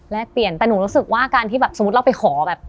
แลกเปลี่ยนแต่หนูรู้สึกว่าการที่สมมุติเราไปขอ